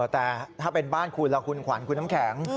แต่ถ้าเป็นบ้านคุณล่ะคุณขวัญคุณน้ำแข็ง